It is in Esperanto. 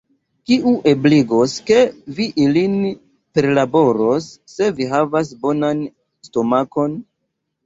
Kiu ebligos, ke vi ilin perlaboros, se vi havas bonan stomakon.